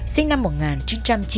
là anh lăng minh châu